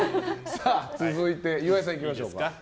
続いて、岩井さんいきましょう。